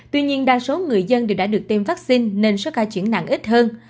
tuy nhiên đa số người dân đều đã được tiêm vaccine nên số ca chuyển nặng ít hơn